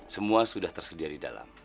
semua sudah tersedia di dalam